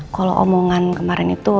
kalau omongan kemaren itu